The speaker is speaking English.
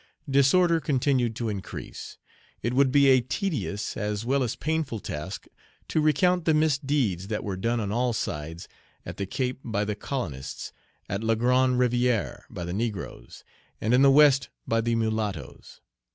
Disorder continued to increase. It would be a tedious as well as painful task to recount the misdeeds that were done on all sides, at the Cape by the colonists, at La Grande Rivière by the negroes, and in the West by the mulattoes.